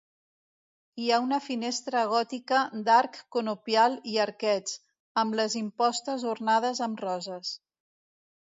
Hi ha una finestra gòtica d'arc conopial i arquets, amb les impostes ornades amb roses.